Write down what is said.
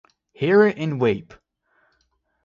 Hear it and weep.